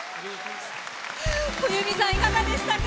冬美さん、いかがでしたか。